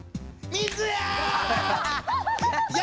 水や！